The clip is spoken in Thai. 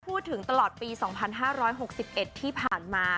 พูดถึงตลอดปี๒๕๖๑ที่ผ่านมา